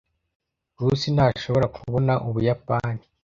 Rusi ntashobora kubona Ubuyapani.